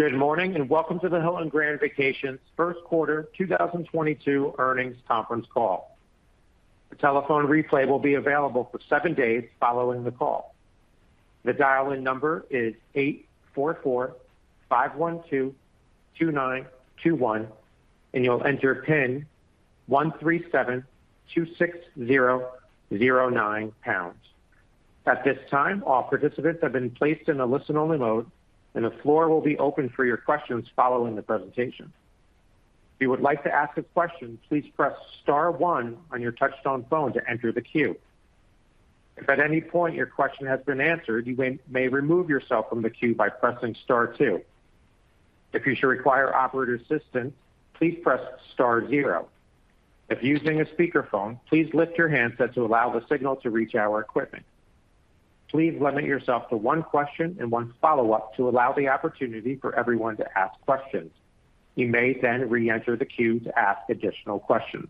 Good morning, and welcome to the Hilton Grand Vacations Q1 2022 Earnings Conference Call. The telephone replay will be available for 7 days following the call. The dial-in number is 844-512-2921, and you'll enter pin 13726009#. At this time, all participants have been placed in a listen only mode, and the floor will be open for your questions following the presentation. If you would like to ask a question, please press star one on your touchtone phone to enter the queue. If at any point your question has been answered, you may remove yourself from the queue by pressing star two. If you should require operator assistance, please press star zero. If using a speakerphone, please lift your handset to allow the signal to reach our equipment. Please limit yourself to one question and one follow-up to allow the opportunity for everyone to ask questions. You may then reenter the queue to ask additional questions.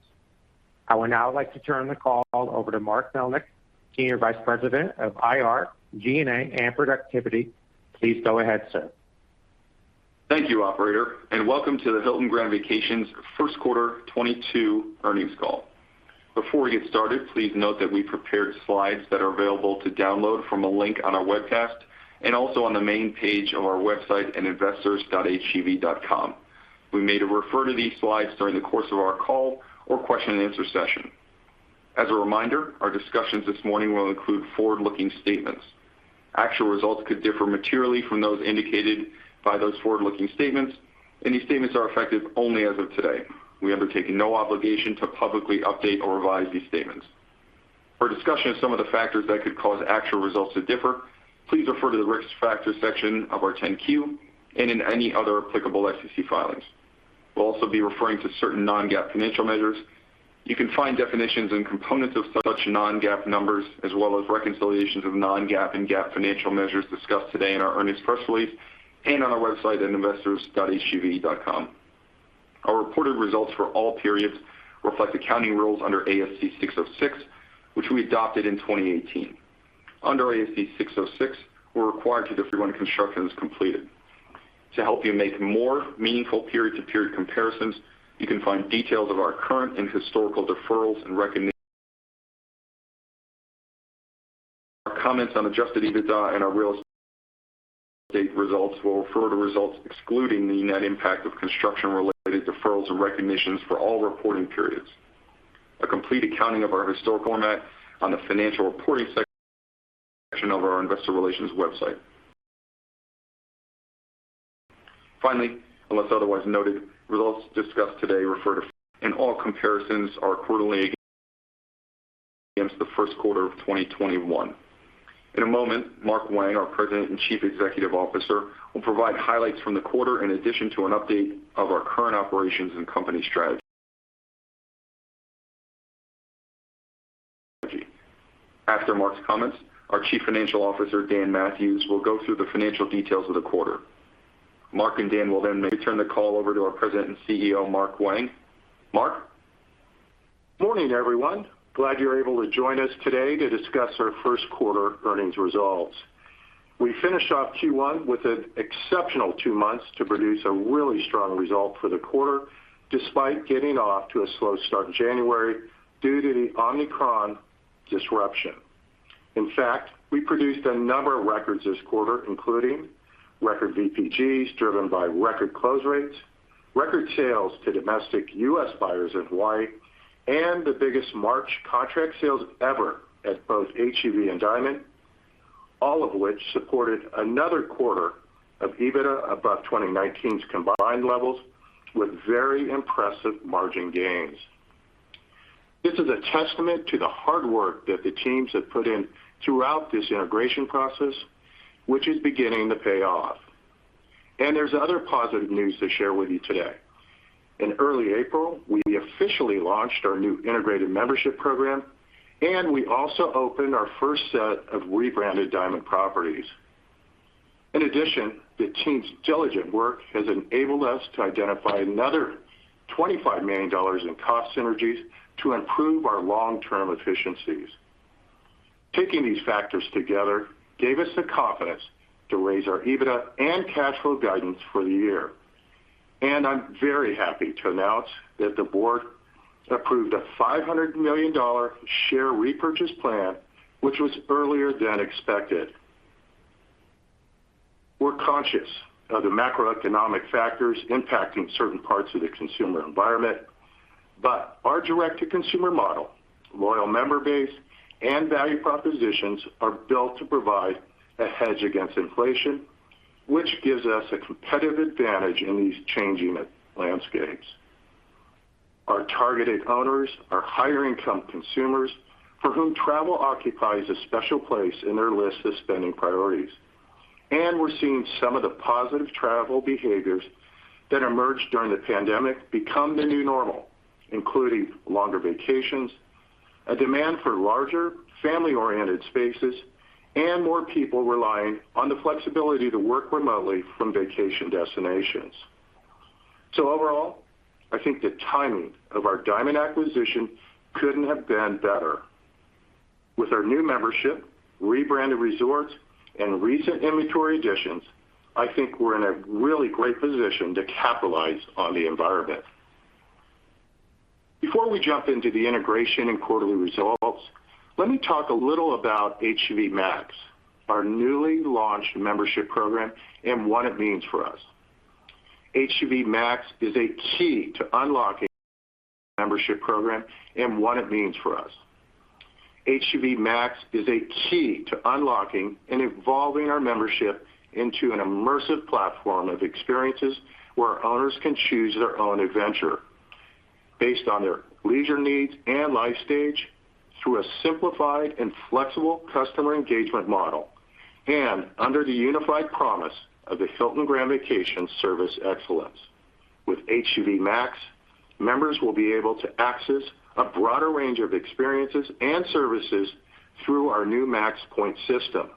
I would now like to turn the call over to Mark Melnyk, Senior Vice President of IR, G&A, and Productivity. Please go ahead, sir. Thank you, operator, and welcome to the Hilton Grand Vacations Q1 2022 Earnings Call. Before we get started, please note that we prepared slides that are available to download from a link on our webcast and also on the main page of our website at investors.hgv.com. We may refer to these slides during the course of our call or question and answer session. As a reminder, our discussions this morning will include forward-looking statements. Actual results could differ materially from those indicated by those forward-looking statements, and these statements are effective only as of today. We undertake no obligation to publicly update or revise these statements. For a discussion of some of the factors that could cause actual results to differ, please refer to the Risk Factors section of our 10-Q and in any other applicable SEC filings. We'll also be referring to certain non-GAAP financial measures. You can find definitions and components of such non-GAAP numbers as well as reconciliations of non-GAAP and GAAP financial measures discussed today in our earnings press release and on our website at investors.hgv.com. Our reported results for all periods reflect accounting rules under ASC 606, which we adopted in 2018. Under ASC 606, we're required to defer when construction is completed. To help you make more meaningful period-to-period comparisons, you can find details of our current and historical deferrals. Our comments on adjusted EBITDA and our real estate results will refer to results excluding the net impact of construction-related deferrals and recognitions for all reporting periods. A complete accounting of our historical data on the financial reporting section of our investor relations website. Finally, unless otherwise noted, results discussed today refer to. All comparisons are quarterly against the Q1 of 2021. In a moment, Mark Wang, our President and Chief Executive Officer, will provide highlights from the quarter in addition to an update of our current operations and company strategy. After Mark's comments, our Chief Financial Officer, Dan Mathewes, will go through the financial details of the quarter. Mark and Dan will then turn the call over to our President and CEO, Mark Wang. Mark? Morning, everyone. Glad you're able to join us today to discuss our Q1 Earnings Results. We finished off Q1 with an exceptional two months to produce a really strong result for the quarter despite getting off to a slow start in January due to the Omicron disruption. In fact, we produced a number of records this quarter, including record VPGs driven by record close rates, record sales to domestic U.S. buyers of Hawaii, and the biggest March contract sales ever at both HGV and Diamond, all of which supported another quarter of EBITDA above 2019's combined levels with very impressive margin gains. This is a testament to the hard work that the teams have put in throughout this integration process, which is beginning to pay off. There's other positive news to share with you today. In early April, we officially launched our new integrated membership program, and we also opened our first set of rebranded Diamond properties. In addition, the team's diligent work has enabled us to identify another $25 million in cost synergies to improve our long-term efficiencies. Taking these factors together gave us the confidence to raise our EBITDA and cash flow guidance for the year. I'm very happy to announce that the board approved a $500 million share repurchase plan, which was earlier than expected. We're conscious of the macroeconomic factors impacting certain parts of the consumer environment, but our direct-to-consumer model, loyal member base, and value propositions are built to provide a hedge against inflation, which gives us a competitive advantage in these changing landscapes. Our targeted owners are higher income consumers for whom travel occupies a special place in their list of spending priorities. We're seeing some of the positive travel behaviors that emerged during the pandemic become the new normal, including longer vacations, a demand for larger family-oriented spaces, and more people relying on the flexibility to work remotely from vacation destinations. Overall, I think the timing of our Diamond acquisition couldn't have been better. With our new membership, rebranded resorts, and recent inventory additions, I think we're in a really great position to capitalize on the environment. Before we jump into the integration and quarterly results, let me talk a little about HGV Max, our newly launched membership program, and what it means for us. HGV Max is a key to unlocking membership program and what it means for us. HGV Max is a key to unlocking and evolving our membership into an immersive platform of experiences where owners can choose their own adventure based on their leisure needs and life stage through a simplified and flexible customer engagement model and under the unified promise of the Hilton Grand Vacations service excellence. With HGV Max, members will be able to access a broader range of experiences and services through our new Max Point system,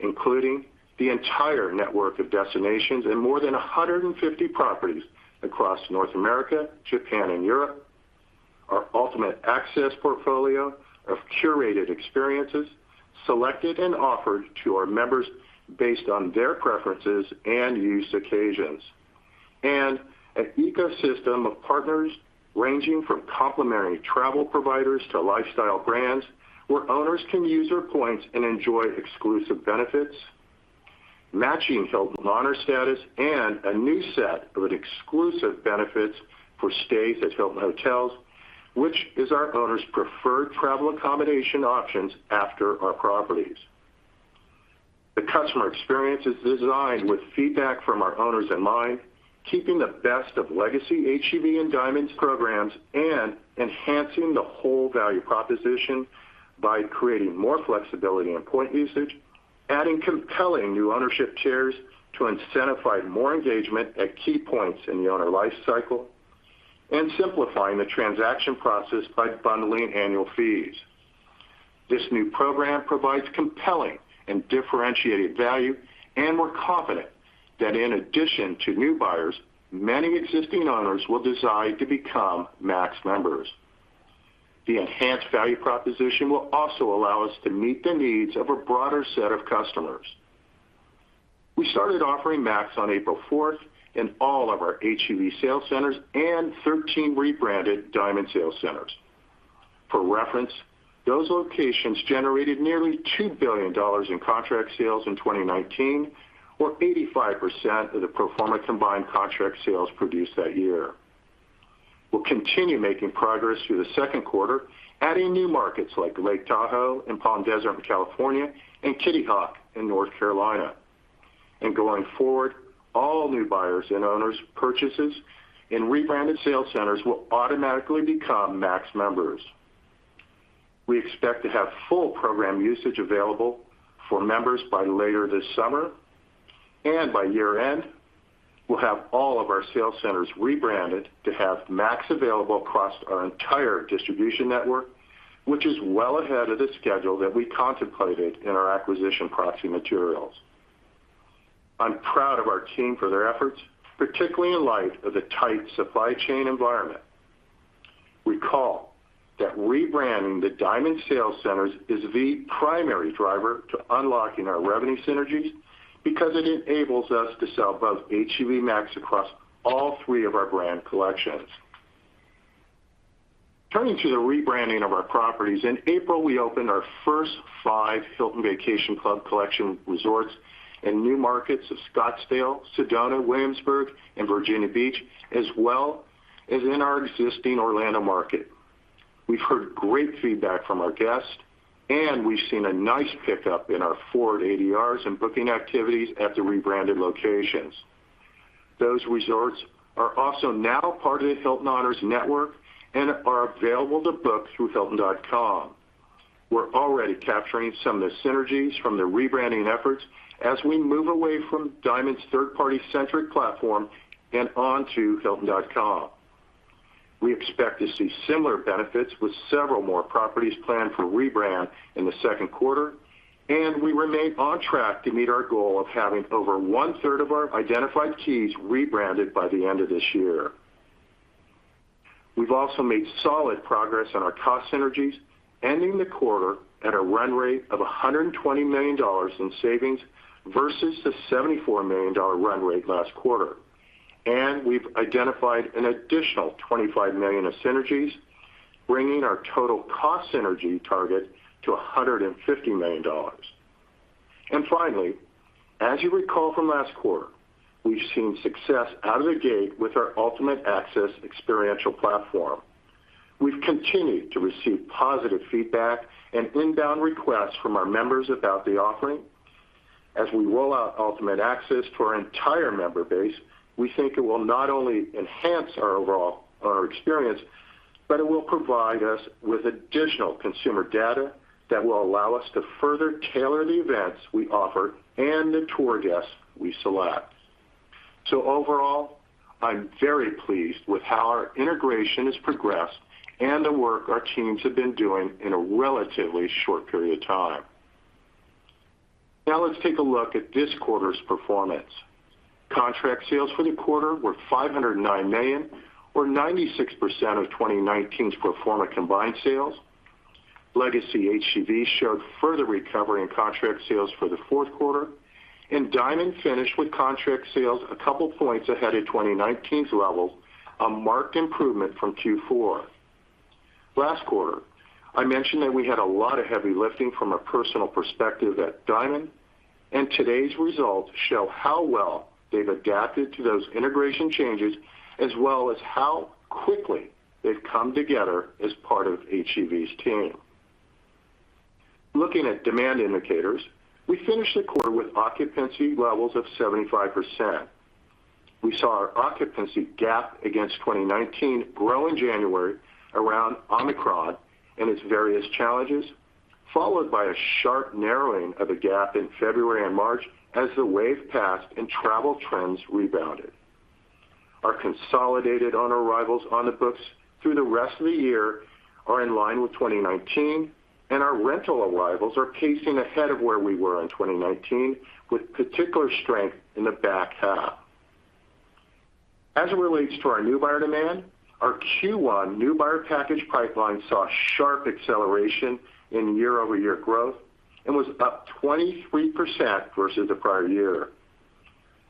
including the entire network of destinations and more than 150 properties across North America, Japan, and Europe, our Ultimate Access portfolio of curated experiences selected and offered to our members based on their preferences and use occasions, and an ecosystem of partners ranging from complimentary travel providers to lifestyle brands, where owners can use their points and enjoy exclusive benefits, matching Hilton Honors status, and a new set of exclusive benefits for stays at Hilton Hotels, which is our owners' preferred travel accommodation options after our properties. The customer experience is designed with feedback from our owners in mind, keeping the best of legacy HGV and Diamond programs and enhancing the whole value proposition by creating more flexibility in point usage, adding compelling new ownership tiers to incentivize more engagement at key points in the owner life cycle, and simplifying the transaction process by bundling annual fees. This new program provides compelling and differentiated value, and we're confident that in addition to new buyers, many existing owners will decide to become Max members. The enhanced value proposition will also allow us to meet the needs of a broader set of customers. We started offering Max on April fourth in all of our HGV sales centers and 13 rebranded Diamond sales centers. For reference, those locations generated nearly $2 billion in contract sales in 2019, or 85% of the pro forma combined contract sales produced that year. We'll continue making progress through the Q2, adding new markets like Lake Tahoe and Palm Desert, California, and Kitty Hawk in North Carolina. Going forward, all new buyers and owners purchases in rebranded sales centers will automatically become Max members. We expect to have full program usage available for members by later this summer, and by year-end, we'll have all of our sales centers rebranded to have Max available across our entire distribution network, which is well ahead of the schedule that we contemplated in our acquisition proxy materials. I'm proud of our team for their efforts, particularly in light of the tight supply chain environment. Recall that rebranding the Diamond sales centers is the primary driver to unlocking our revenue synergies because it enables us to sell both HGV Max across all three of our brand collections. Turning to the rebranding of our properties, in April, we opened our first 5 Hilton Vacation Club Collection resorts in new markets of Scottsdale, Sedona, Williamsburg, and Virginia Beach, as well as in our existing Orlando market. We've heard great feedback from our guests, and we've seen a nice pickup in our forward ADRs and booking activities at the rebranded locations. Those resorts are also now part of the Hilton Honors network and are available to book through hilton.com. We're already capturing some of the synergies from the rebranding efforts as we move away from Diamond's third-party centric platform and onto hilton.com. We expect to see similar benefits with several more properties planned for rebrand in the Q2, and we remain on track to meet our goal of having over one-third of our identified keys rebranded by the end of this year. We've also made solid progress on our cost synergies, ending the quarter at a run rate of $120 million in savings versus the $74 million run rate last quarter. We've identified an additional $25 million of synergies, bringing our total cost synergy target to $150 million. Finally, as you recall from last quarter, we've seen success out of the gate with our Ultimate Access experiential platform. We've continued to receive positive feedback and inbound requests from our members about the offering. As we roll out Ultimate Access to our entire member base, we think it will not only enhance our overall owner experience, but it will provide us with additional consumer data that will allow us to further tailor the events we offer and the tour guests we select. Overall, I'm very pleased with how our integration has progressed and the work our teams have been doing in a relatively short period of time. Now let's take a look at this quarter's performance. Contract sales for the quarter were $509 million, or 96% of 2019's pro forma combined sales. Legacy HGV showed further recovery in contract sales for the Q4, and Diamond finished with contract sales a couple points ahead of 2019's levels, a marked improvement from Q4. Last quarter, I mentioned that we had a lot of heavy lifting from a personal perspective at Diamond, and today's results show how well they've adapted to those integration changes, as well as how quickly they've come together as part of HGV's team. Looking at demand indicators, we finished the quarter with occupancy levels of 75%. We saw our occupancy gap against 2019 grow in January around Omicron and its various challenges, followed by a sharp narrowing of the gap in February and March as the wave passed and travel trends rebounded. Our consolidated owner arrivals on the books through the rest of the year are in line with 2019, and our rental arrivals are pacing ahead of where we were in 2019, with particular strength in the back half. As it relates to our new buyer demand, our Q1 new buyer package pipeline saw sharp acceleration in year-over-year growth and was up 23% versus the prior year.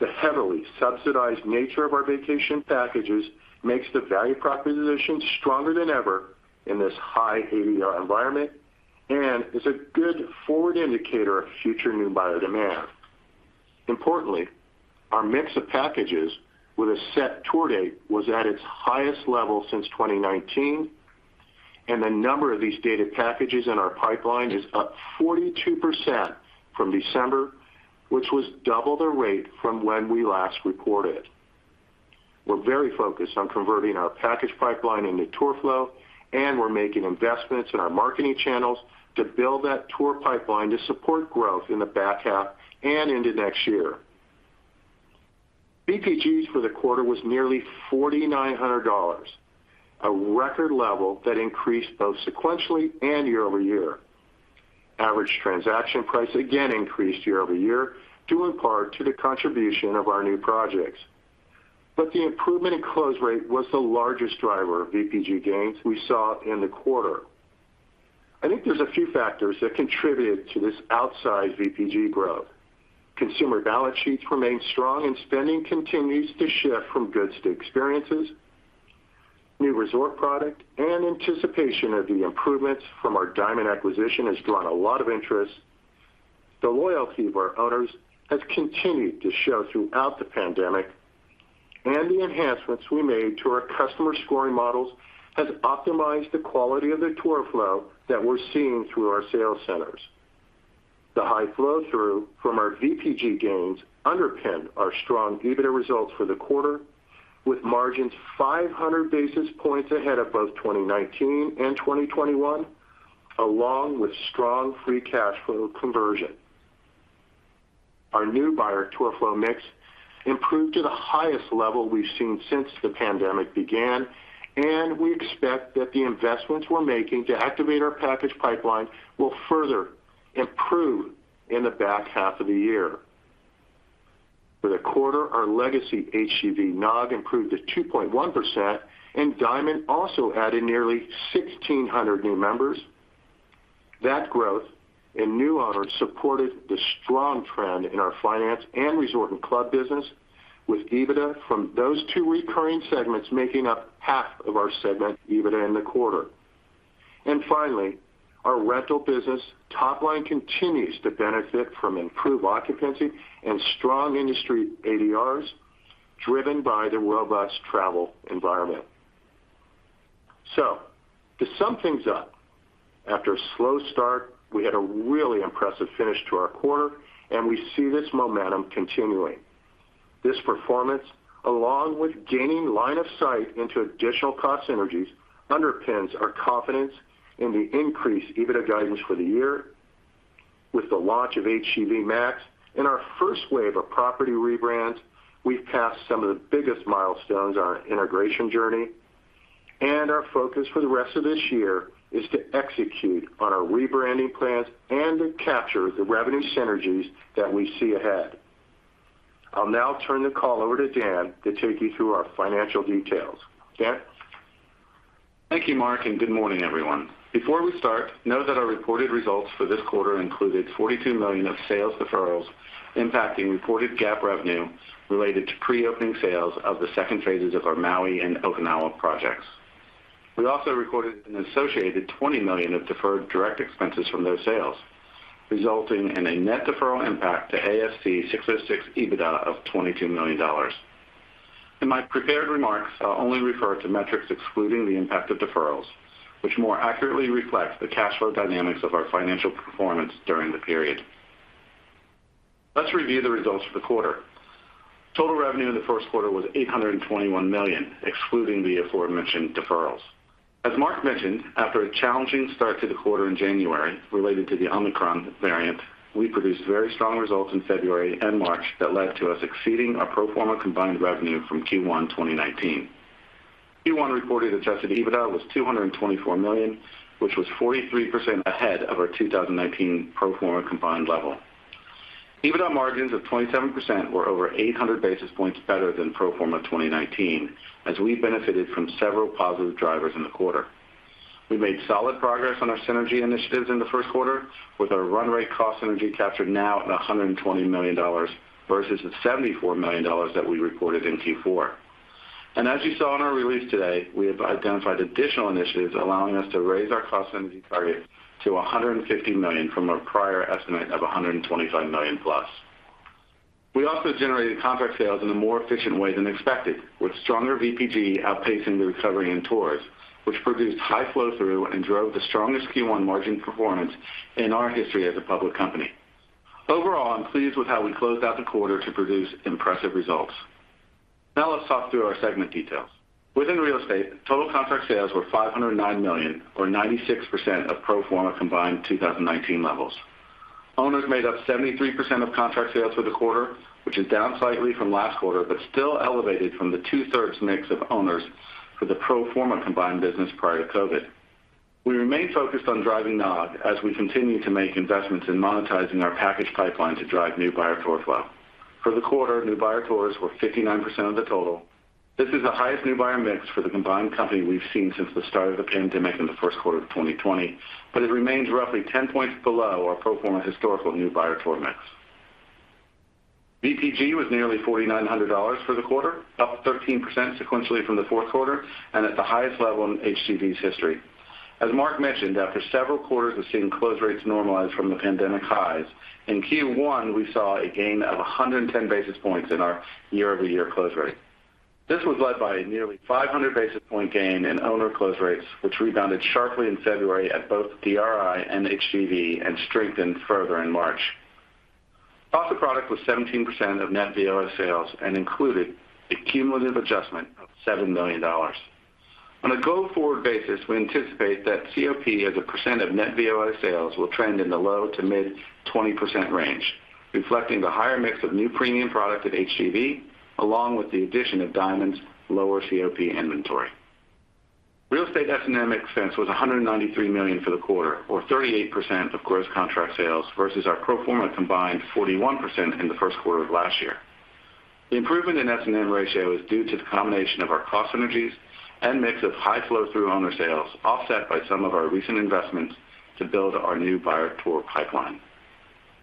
The heavily subsidized nature of our vacation packages makes the value proposition stronger than ever in this high ADR environment and is a good forward indicator of future new buyer demand. Importantly, our mix of packages with a set tour date was at its highest level since 2019, and the number of these dated packages in our pipeline is up 42% from December, which was double the rate from when we last reported. We're very focused on converting our package pipeline into tour flow, and we're making investments in our marketing channels to build that tour pipeline to support growth in the back half and into next year. VPGs for the quarter was nearly $4,900, a record level that increased both sequentially and year-over-year. Average transaction price again increased year-over-year due in part to the contribution of our new projects. The improvement in close rate was the largest driver of VPG gains we saw in the quarter. I think there's a few factors that contributed to this outsized VPG growth. Consumer balance sheets remain strong, and spending continues to shift from goods to experiences. New resort product and anticipation of the improvements from our Diamond acquisition has drawn a lot of interest. The loyalty of our owners has continued to show throughout the pandemic, and the enhancements we made to our customer scoring models has optimized the quality of the tour flow that we're seeing through our sales centers. The high flow through from our VPG gains underpinned our strong EBITDA results for the quarter, with margins 500 basis points ahead of both 2019 and 2021, along with strong free cash flow conversion. Our new buyer tour flow mix improved to the highest level we've seen since the pandemic began, and we expect that the investments we're making to activate our package pipeline will further improve in the back half of the year. For the quarter, our legacy HGV NOG improved to 2.1%, and Diamond also added nearly 1,600 new members. That growth in new owners supported the strong trend in our finance and resort and club business, with EBITDA from those two recurring segments making up half of our segment EBITDA in the quarter. Finally, our rental business top line continues to benefit from improved occupancy and strong industry ADRs driven by the robust travel environment. To sum things up, after a slow start, we had a really impressive finish to our quarter, and we see this momentum continuing. This performance, along with gaining line of sight into additional cost synergies, underpins our confidence in the increased EBITDA guidance for the year. With the launch of HGV Max and our first wave of property rebrands, we've passed some of the biggest milestones on our integration journey. Our focus for the rest of this year is to execute on our rebranding plans and to capture the revenue synergies that we see ahead. I'll now turn the call over to Dan to take you through our financial details. Dan? Thank you, Mark, and good morning, everyone. Before we start, know that our reported results for this quarter included $42 million of sales deferrals impacting reported GAAP revenue related to pre-opening sales of the second phases of our Maui and Okinawa projects. We also recorded an associated $20 million of deferred direct expenses from those sales, resulting in a net deferral impact to ASC 606 EBITDA of $22 million. In my prepared remarks, I'll only refer to metrics excluding the impact of deferrals, which more accurately reflect the cash flow dynamics of our financial performance during the period. Let's review the results for the quarter. Total revenue in the Q1 was $821 million, excluding the aforementioned deferrals. As Mark mentioned, after a challenging start to the quarter in January related to the Omicron variant, we produced very strong results in February and March that led to us exceeding our pro forma combined revenue from Q1 2019. Q1 reported adjusted EBITDA was $224 million, which was 43% ahead of our 2019 pro forma combined level. EBITDA margins of 27% were over 800 basis points better than pro forma 2019, as we benefited from several positive drivers in the quarter. We made solid progress on our synergy initiatives in the Q1 with our run rate cost synergy captured now at $120 million versus the $74 million that we reported in Q4. As you saw in our release today, we have identified additional initiatives allowing us to raise our cost synergy target to $150 million from our prior estimate of $125 million-plus. We also generated contract sales in a more efficient way than expected, with stronger VPG outpacing the recovery in tours, which produced high flow through and drove the strongest Q1 margin performance in our history as a public company. Overall, I'm pleased with how we closed out the quarter to produce impressive results. Now let's talk through our segment details. Within real estate, total contract sales were $509 million or 96% of pro forma combined 2019 levels. Owners made up 73% of contract sales for the quarter, which is down slightly from last quarter, but still elevated from the two-thirds mix of owners for the pro forma combined business prior to COVID. We remain focused on driving NOG as we continue to make investments in monetizing our package pipeline to drive new buyer tour flow. For the quarter, new buyer tours were 59% of the total. This is the highest new buyer mix for the combined company we've seen since the start of the pandemic in the Q1 of 2020, but it remains roughly 10 points below our pro forma historical new buyer tour mix. VPG was nearly $4,900 for the quarter, up 13% sequentially from the Q4 and at the highest level in HGV's history. As Mark mentioned, after several quarters of seeing close rates normalize from the pandemic highs, in Q1 we saw a gain of 110 basis points in our year-over-year close rate. This was led by a nearly 500 basis point gain in owner close rates, which rebounded sharply in February at both DRI and HGV and strengthened further in March. Profit product was 17% of net VOI sales and included a cumulative adjustment of $7 million. On a go-forward basis, we anticipate that COP as a percent of net VOI sales will trend in the low-to-mid 20% range, reflecting the higher mix of new premium product at HGV along with the addition of Diamond's lower COP inventory. Real estate S&M expense was $193 million for the quarter, or 38% of gross contract sales versus our pro forma combined 41% in the Q1 of last year. The improvement in S&M ratio is due to the combination of our cost synergies and mix of high flow through owner sales, offset by some of our recent investments to build our new buyer tour pipeline.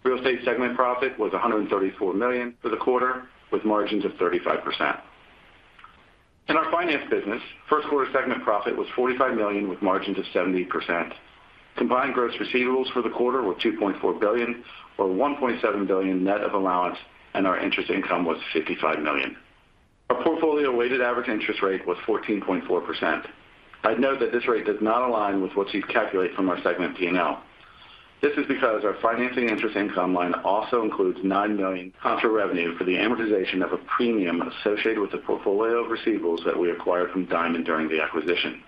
Real estate segment profit was $134 million for the quarter, with margins of 35%. In our finance business, Q1 segment profit was $45 million with margins of 70%. Combined gross receivables for the quarter were $2.4 billion or $1.7 billion net of allowance, and our interest income was $55 million. Our portfolio weighted average interest rate was 14.4%. I'd note that this rate does not align with what you'd calculate from our segment P&L. This is because our financing interest income line also includes $9 million contra revenue for the amortization of a premium associated with the portfolio of receivables that we acquired from Diamond during the acquisition.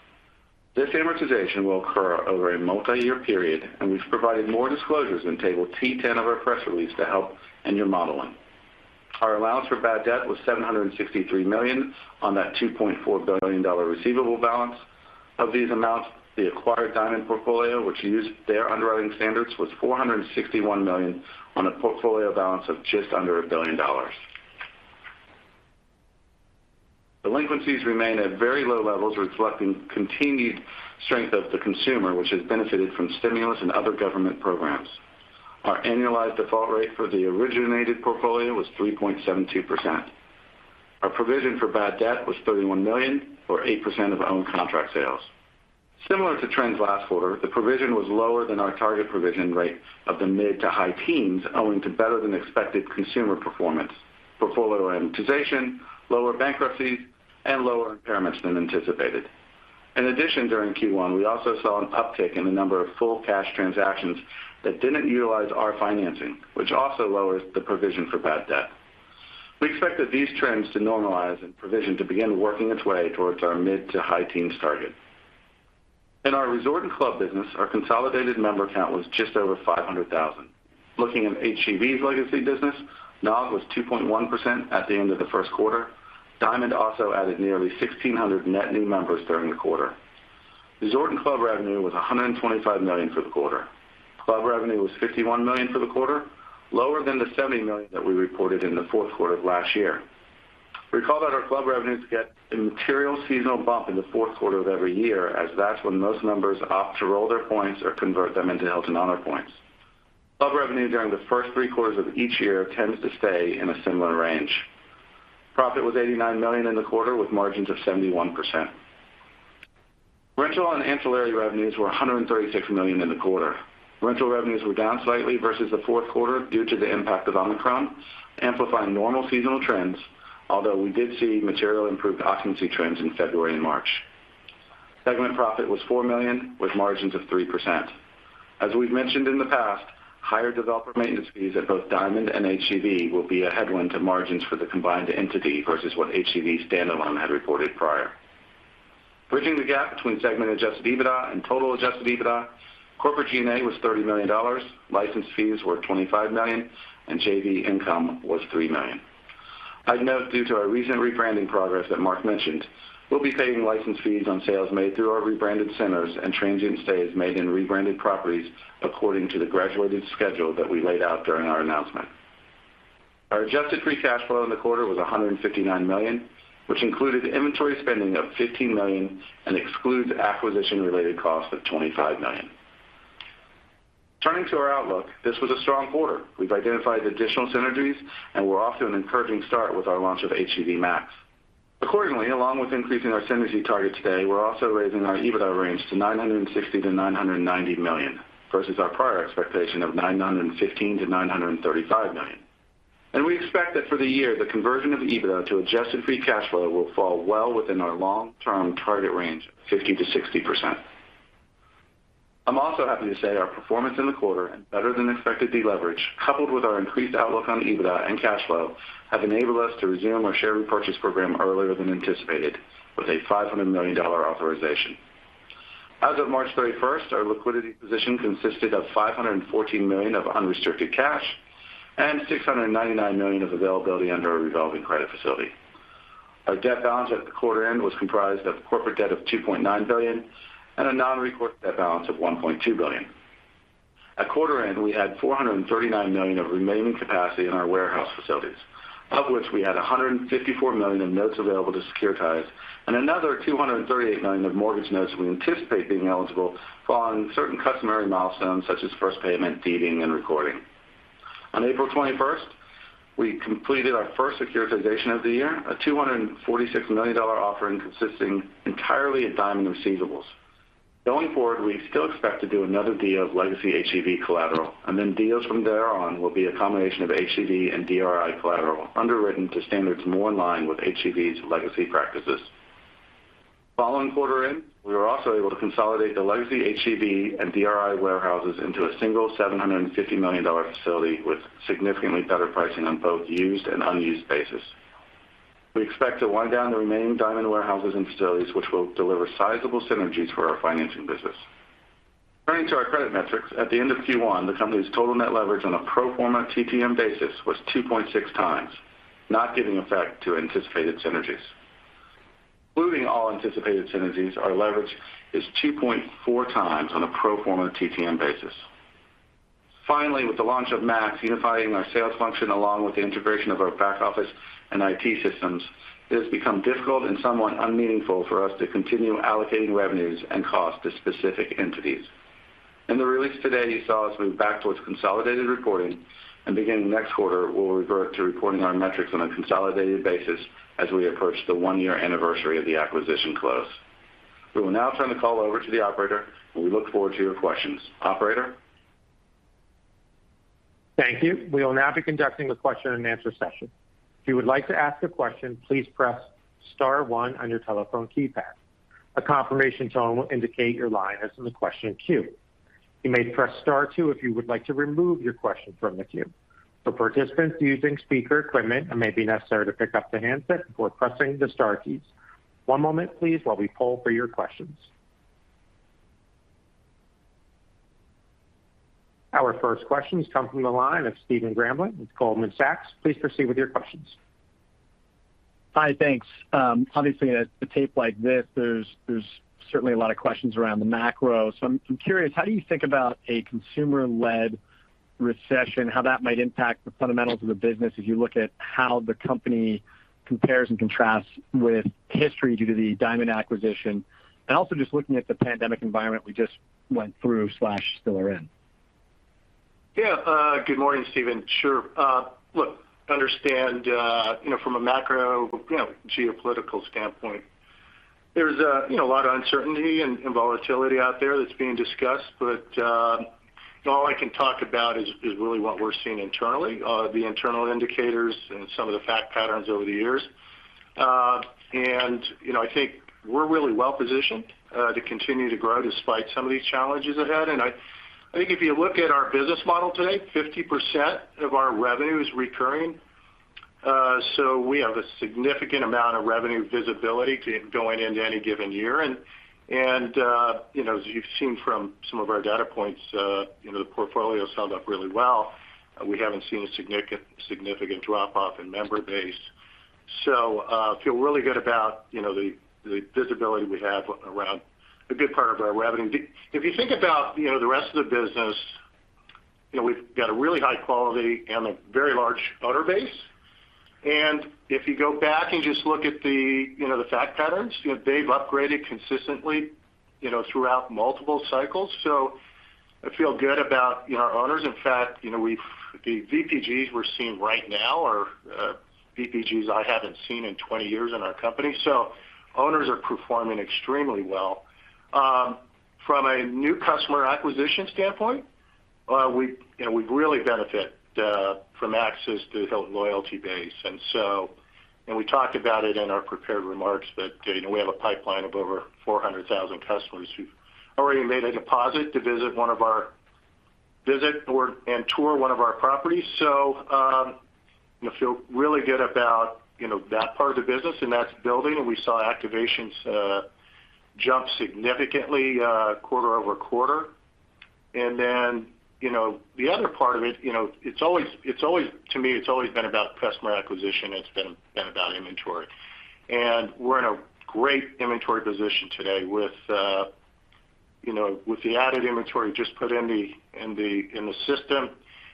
This amortization will occur over a multiyear period, and we've provided more disclosures in Table T10 of our press release to help in your modeling. Our allowance for bad debt was $763 million on that $2.4 billion receivable balance. Of these amounts, the acquired Diamond portfolio, which used their underwriting standards, was $461 million on a portfolio balance of just under $1 billion. Delinquencies remain at very low levels, reflecting continued strength of the consumer, which has benefited from stimulus and other government programs. Our annualized default rate for the originated portfolio was 3.72%. Our provision for bad debt was $31 million or 8% of owned contract sales. Similar to trends last quarter, the provision was lower than our target provision rate of the mid- to high teens owing to better than expected consumer performance, portfolio amortization, lower bankruptcies, and lower impairments than anticipated. In addition, during Q1, we also saw an uptick in the number of full cash transactions that didn't utilize our financing, which also lowers the provision for bad debt. We expect that these trends to normalize and provision to begin working its way towards our mid- to high teens target. In our resort and club business, our consolidated member count was just over 500,000. Looking at HGV's legacy business, NOG was 2.1% at the end of the Q1. Diamond also added nearly 1,600 net new members during the quarter. Resort and club revenue was $125 million for the quarter. Club revenue was $51 million for the quarter, lower than the $70 million that we reported in the Q4 of last year. Recall that our club revenues get a material seasonal bump in the Q4 of every year, as that's when most members opt to roll their points or convert them into Hilton Honors Points. Club revenue during the first three quarters of each year tends to stay in a similar range. Profit was $89 million in the quarter, with margins of 71%. Rental and ancillary revenues were $136 million in the quarter. Rental revenues were down slightly versus the Q4 due to the impact of Omicron, amplifying normal seasonal trends, although we did see materially improved occupancy trends in February and March. Segment profit was $4 million, with margins of 3%. As we've mentioned in the past, higher developer maintenance fees at both Diamond and HGV will be a headwind to margins for the combined entity versus what HGV standalone had reported prior. Bridging the gap between segment adjusted EBITDA and total adjusted EBITDA, corporate G&A was $30 million, license fees were $25 million, and JV income was $3 million. I'd note due to our recent rebranding progress that Mark mentioned, we'll be paying license fees on sales made through our rebranded centers and transient stays made in rebranded properties according to the graduated schedule that we laid out during our announcement. Our adjusted free cash flow in the quarter was $159 million, which included inventory spending of $15 million and excludes acquisition-related costs of $25 million. Turning to our outlook, this was a strong quarter. We've identified additional synergies, and we're off to an encouraging start with our launch of HGV Max. Accordingly, along with increasing our synergy targets today, we're also raising our EBITDA range to $960 million-$990 million versus our prior expectation of $915 million-$935 million. We expect that for the year, the conversion of EBITDA to adjusted free cash flow will fall well within our long-term target range of 50%-60%. I'm also happy to say our performance in the quarter and better-than-expected deleverage, coupled with our increased outlook on EBITDA and cash flow, have enabled us to resume our share repurchase program earlier than anticipated with a $500 million authorization. As of March 31st, our liquidity position consisted of $514 million of unrestricted cash and $699 million of availability under our revolving credit facility. Our debt balance at the quarter end was comprised of corporate debt of $2.9 billion and a nonrecourse debt balance of $1.2 billion. At quarter end, we had $439 million of remaining capacity in our warehouse facilities, of which we had $154 million in notes available to securitize and another $238 million of mortgage notes we anticipate being eligible following certain customary milestones such as first payment, deeding, and recording. On April 21st, we completed our first securitization of the year, a $246 million offering consisting entirely of Diamond receivables. Going forward, we still expect to do another deal of legacy HGV collateral, and then deals from there on will be a combination of HGV and DRI collateral underwritten to standards more in line with HGV's legacy practices. Following quarter end, we were also able to consolidate the legacy HGV and DRI warehouses into a single $750 million facility with significantly better pricing on both used and unused basis. We expect to wind down the remaining Diamond warehouses and facilities, which will deliver sizable synergies for our financing business. Turning to our credit metrics, at the end of Q1, the company's total net leverage on a pro forma TTM basis was 2.6x, not giving effect to anticipated synergies. Including all anticipated synergies, our leverage is 2.4x on a pro forma TTM basis. Finally, with the launch of Max unifying our sales function along with the integration of our back office and IT systems, it has become difficult and somewhat unmeaningful for us to continue allocating revenues and costs to specific entities. In the release today, you saw us move back towards consolidated reporting, and beginning next quarter, we'll revert to reporting our metrics on a consolidated basis as we approach the one-year anniversary of the acquisition close. We will now turn the call over to the operator, and we look forward to your questions. Operator? Thank you. We will now be conducting the question-and-answer session. If you would like to ask a question, please press star one on your telephone keypad. A confirmation tone will indicate your line is in the question queue. You may press star two if you would like to remove your question from the queue. For participants using speaker equipment, it may be necessary to pick up the handset before pressing the star keys. One moment, please, while we poll for your questions. Our first question comes from the line of Stephen Grambling with Goldman Sachs. Please proceed with your questions. Hi, thanks. Obviously, in a tape like this, there's certainly a lot of questions around the macro. I'm curious, how do you think about a consumer-led recession, how that might impact the fundamentals of the business as you look at how the company compares and contrasts with history due to the Diamond acquisition? Also just looking at the pandemic environment we just went through, still are in. Yeah. Good morning, Stephen. Sure. Look, I understand, you know, from a macro, you know, geopolitical standpoint, there's you know, a lot of uncertainty and volatility out there that's being discussed. All I can talk about is really what we're seeing internally, the internal indicators and some of the fact patterns over the years. You know, I think we're really well positioned to continue to grow despite some of these challenges ahead. I think if you look at our business model today, 50% of our revenue is recurring. We have a significant amount of revenue visibility going into any given year. You know, as you've seen from some of our data points, you know, the portfolio's held up really well. We haven't seen a significant drop-off in member base. We feel really good about, you know, the visibility we have around a good part of our revenue. If you think about, you know, the rest of the business, you know, we've got a really high quality and a very large owner base. If you go back and just look at the, you know, the fact patterns, you know, they've upgraded consistently, you know, throughout multiple cycles. I feel good about, you know, our owners. In fact, you know, the VPGs we're seeing right now are VPGs I haven't seen in 20 years in our company. Owners are performing extremely well. From a new customer acquisition standpoint, we, you know, we've really benefit from access to Hilton loyalty base. We talked about it in our prepared remarks that, you know, we have a pipeline of over 400,000 customers who've already made a deposit to visit one of our. Visit and tour one of our properties. You know, feel really good about, you know, that part of the business and that's building, and we saw activations jump significantly quarter-over-quarter. You know, the other part of it, you know, it's always to me, it's always been about customer acquisition, it's been about inventory. We're in a great inventory position today with, you know, with the added inventory just put in the system.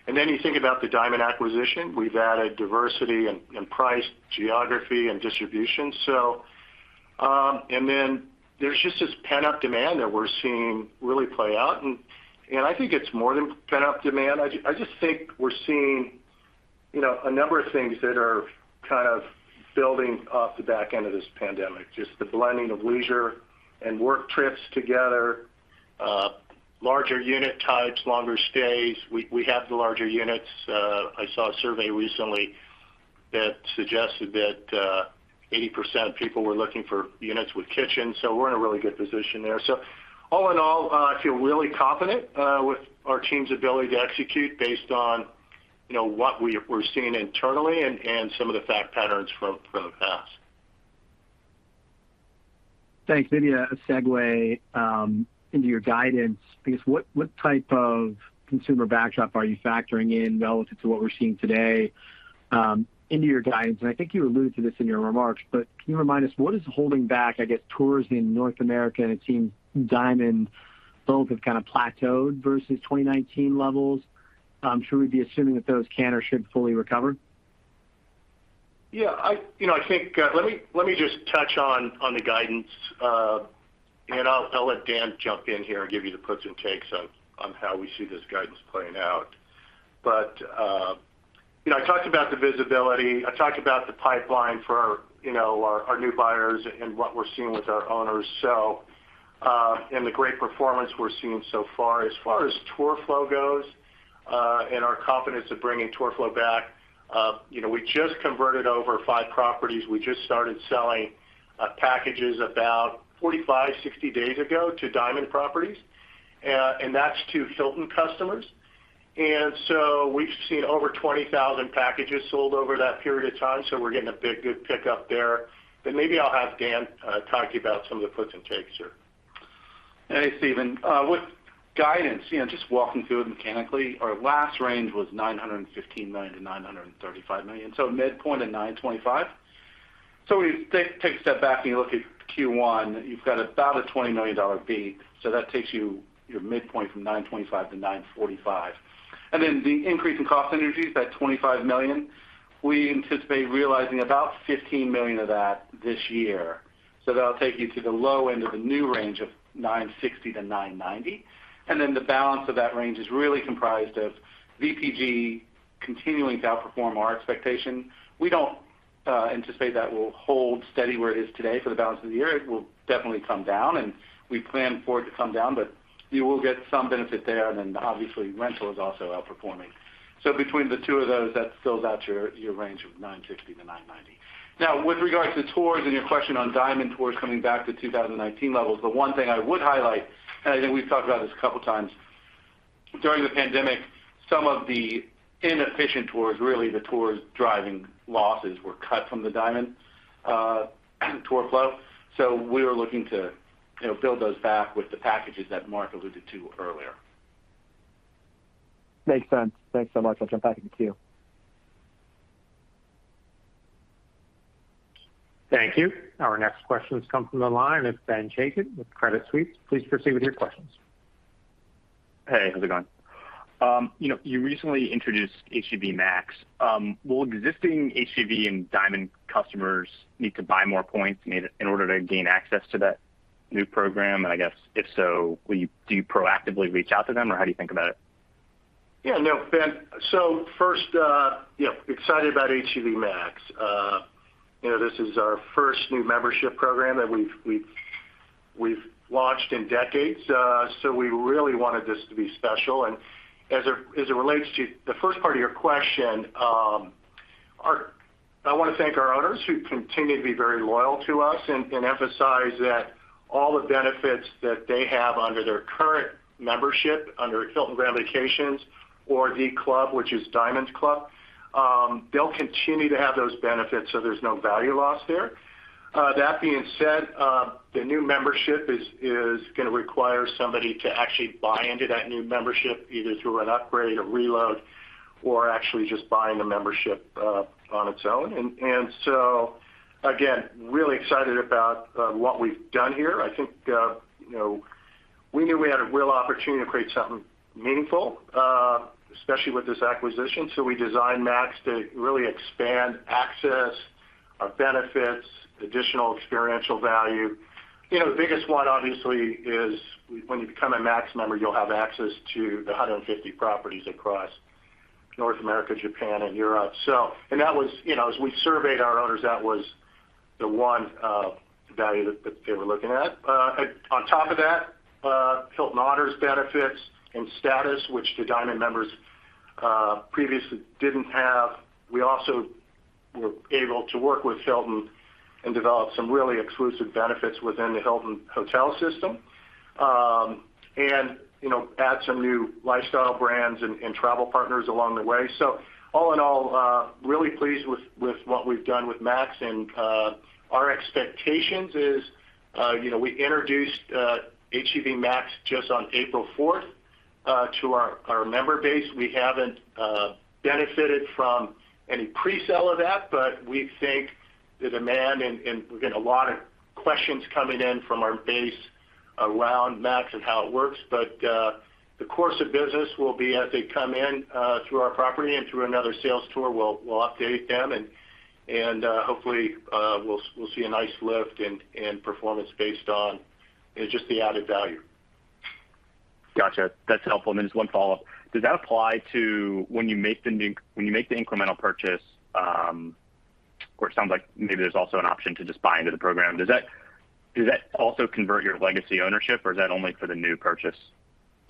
You think about the Diamond acquisition. We've added diversity and price, geography, and distribution. There's just this pent-up demand that we're seeing really play out. I think it's more than pent-up demand. I just think we're seeing, you know, a number of things that are kind of building off the back end of this pandemic, just the blending of leisure and work trips together, larger unit types, longer stays. We have the larger units. I saw a survey recently that suggested that 80% of people were looking for units with kitchens, so we're in a really good position there. All in all, I feel really confident with our team's ability to execute based on, you know, what we're seeing internally and some of the fact patterns from the past. Thanks. Maybe a segue into your guidance. I guess what type of consumer backdrop are you factoring in relative to what we're seeing today, into your guidance? I think you alluded to this in your remarks, but can you remind us what is holding back, I guess, tours in North America? It seems HGV and Diamond both have kind of plateaued versus 2019 levels. Should we be assuming that those can or should fully recover? You know, I think, let me just touch on the guidance. I'll let Dan jump in here and give you the puts and takes on how we see this guidance playing out. You know, I talked about the visibility. I talked about the pipeline for, you know, our new buyers and what we're seeing with our owners. The great performance we're seeing so far. As far as tour flow goes, and our confidence of bringing tour flow back, you know, we just converted over five properties. We just started selling packages about 45-60 days ago to Diamond properties, and that's to Hilton customers. We've seen over 20,000 packages sold over that period of time, so we're getting a big good pickup there. Maybe I'll have Dan talk to you about some of the puts and takes here. Hey, Stephen. With guidance, you know, just walking through it mechanically, our last range was $915 million-$935 million, so midpoint of $925 million. When you take a step back and you look at Q1, you've got about a $20 million fee, so that takes your midpoint from $925 million to $945 million. Then the increase in cost synergies, that $25 million, we anticipate realizing about $15 million of that this year. That'll take you to the low end of the new range of $960 million-$990 million. Then the balance of that range is really comprised of VPG continuing to outperform our expectation. We don't anticipate that will hold steady where it is today for the balance of the year. It will definitely come down, and we plan for it to come down, but you will get some benefit there. Then obviously, rental is also outperforming. So between the two of those, that fills out your range of 960-990. Now with regards to tours and your question on Diamond tours coming back to 2019 levels, the one thing I would highlight, and I think we've talked about this a couple times, during the pandemic, some of the inefficient tours, really the tours driving losses were cut from the Diamond tour flow. So we are looking to, you know, build those back with the packages that Mark alluded to earlier. Makes sense. Thanks so much. I'll jump back into queue. Thank you. Our next question comes from the line of Ben Chaiken with Credit Suisse. Please proceed with your questions. Hey, how's it going? You know, you recently introduced HGV Max. Will existing HGV and Diamond customers need to buy more points in order to gain access to that new program? I guess if so, do you proactively reach out to them, or how do you think about it? Yeah. No, Ben. First, yeah, excited about HGV Max. You know, this is our first new membership program that we've launched in decades, so we really wanted this to be special. As it relates to the first part of your question, I wanna thank our owners who continue to be very loyal to us and emphasize that all the benefits that they have under their current membership, under Hilton Grand Vacations or The Club, which is Diamond Resorts, they'll continue to have those benefits, so there's no value loss there. That being said, the new membership is gonna require somebody to actually buy into that new membership, either through an upgrade, a reload, or actually just buying the membership, on its own. Really excited about what we've done here. I think you know, we knew we had a real opportunity to create something meaningful, especially with this acquisition. We designed Max to really expand access, our benefits, additional experiential value. You know, the biggest one obviously is when you become a Max member, you'll have access to the 150 properties across North America, Japan, and Europe. That was, you know, as we surveyed our owners, that was the one value that they were looking at. On top of that, Hilton Honors benefits and status, which the Diamond members previously didn't have. We were also able to work with Hilton and develop some really exclusive benefits within the Hilton hotel system, and you know, add some new lifestyle brands and travel partners along the way. All in all, really pleased with what we've done with Max. Our expectations is, you know, we introduced HGV Max just on April fourth to our member base. We haven't benefited from any presale of that, but we think the demand and we're getting a lot of questions coming in from our base around Max and how it works. The course of business will be as they come in through our property and through another sales tour, we'll update them and hopefully we'll see a nice lift and performance based on just the added value. Gotcha. That's helpful. Just one follow-up. Does that apply to when you make the incremental purchase, or it sounds like maybe there's also an option to just buy into the program. Does that also convert your legacy ownership, or is that only for the new purchase?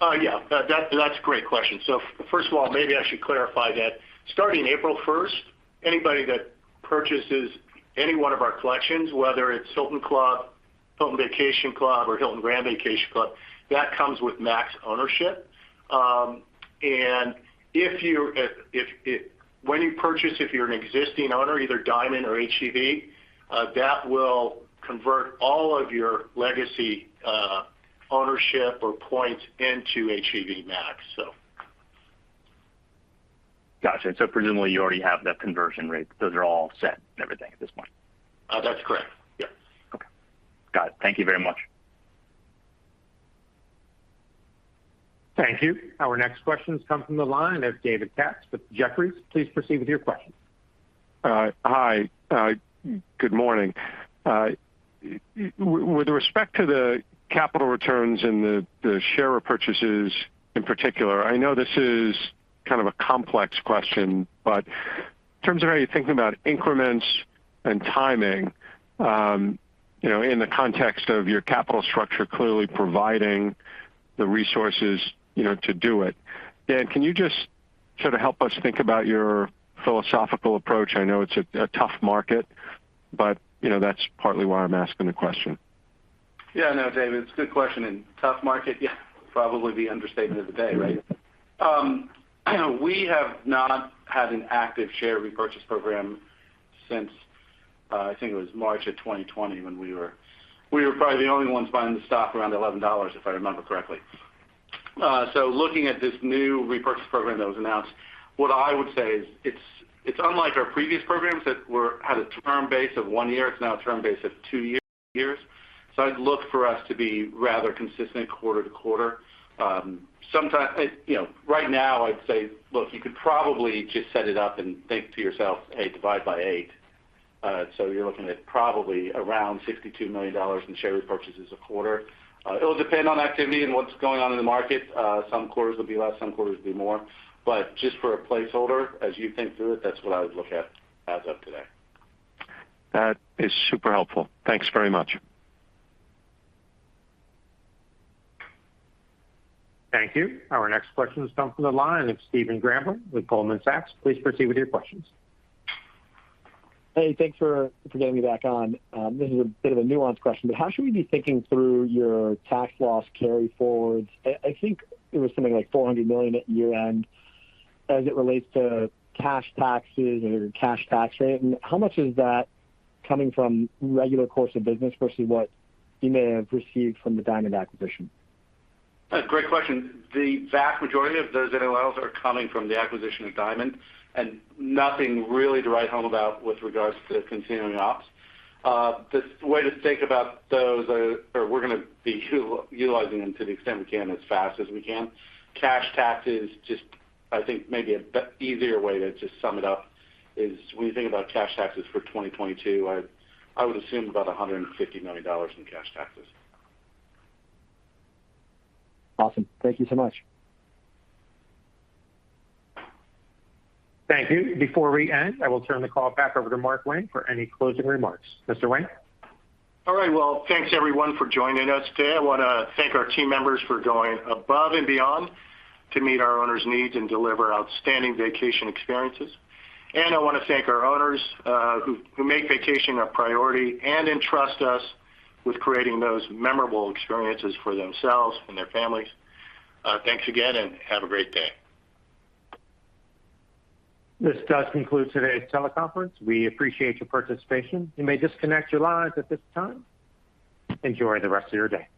That's a great question. First of all, maybe I should clarify that starting April first, anybody that purchases any one of our collections, whether it's Hilton Club, Hilton Vacation Club, or Hilton Grand Vacations Club, that comes with Max ownership. If when you purchase, if you're an existing owner, either Diamond or HGV, that will convert all of your legacy ownership or points into HGV Max. Gotcha. Presumably you already have the conversion rates. Those are all set and everything at this point. That's correct. Yes. Okay. Got it. Thank you very much. Thank you. Our next question comes from the line of David Katz with Jefferies. Please proceed with your question. Hi. Good morning. With respect to the capital returns and the share repurchases in particular, I know this is kind of a complex question, but in terms of how you're thinking about increments and timing, you know, in the context of your capital structure clearly providing the resources, you know, to do it. Dan, can you just sort of help us think about your philosophical approach? I know it's a tough market, but, you know, that's partly why I'm asking the question. Yeah. No, David, it's a good question. Tough market, yeah, probably the understatement of the day, right? We have not had an active share repurchase program since, I think it was March of 2020 when we were probably the only ones buying the stock around $11, if I remember correctly. So looking at this new repurchase program that was announced, what I would say is it's unlike our previous programs that had a term base of 1 year. It's now a term base of 2 years. So I'd look for us to be rather consistent quarter to quarter. You know, right now I'd say, look, you could probably just set it up and think to yourself, hey, divide by 8. So you're looking at probably around $62 million in share repurchases a quarter. It'll depend on activity and what's going on in the market. Some quarters will be less, some quarters will be more. Just for a placeholder, as you think through it, that's what I would look at as of today. That is super helpful. Thanks very much. Thank you. Our next question comes from the line of Stephen Grambling with Goldman Sachs. Please proceed with your questions. Hey, thanks for getting me back on. This is a bit of a nuanced question, but how should we be thinking through your tax loss carry forwards? I think it was something like $400 million at year-end as it relates to cash taxes or cash tax rate. How much is that coming from regular course of business versus what you may have received from the Diamond acquisition? Great question. The vast majority of those NOLs are coming from the acquisition of Diamond, and nothing really to write home about with regards to continuing ops. The way to think about those are or we're gonna be utilizing them to the extent we can as fast as we can. Cash taxes, just, I think maybe a bit easier way to just sum it up is when you think about cash taxes for 2022, I would assume about $150 million in cash taxes. Awesome. Thank you so much. Thank you. Before we end, I will turn the call back over to Mark Wang for any closing remarks. Mr. Wang? All right. Well, thanks everyone for joining us today. I wanna thank our team members for going above and beyond to meet our owners' needs and deliver outstanding vacation experiences. I wanna thank our owners, who make vacation a priority and entrust us with creating those memorable experiences for themselves and their families. Thanks again, and have a great day. This does conclude today's teleconference. We appreciate your participation. You may disconnect your lines at this time. Enjoy the rest of your day.